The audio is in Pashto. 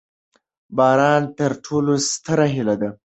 باران تر ټولو ستره هیله ده.